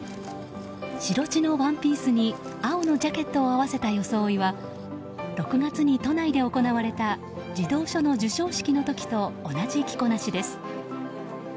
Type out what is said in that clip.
白地のワンピースに青のジャケットを合わせた装いは６月に都内で行われた児童書の授賞式の時と同じ着こなしです。